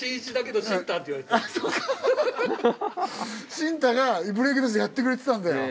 シンタがブレイクダンスやってくれてたんだよ。